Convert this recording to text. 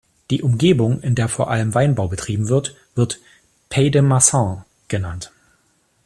Die Umgebung, in der vor allem Weinbau betrieben wird, wird "Pays de Marsanne" genannt.